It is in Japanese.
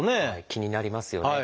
気になりますよね。